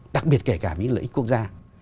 đặc biệt kể cả với lợi ích quốc gia